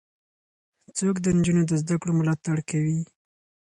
څوک د نجونو د زدهکړو ملاتړ کوي؟